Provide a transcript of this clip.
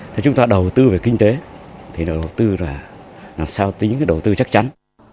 thì chúng ta đầu tư về kinh tế thì đầu tư là làm sao tính cái đầu tư chắc chắn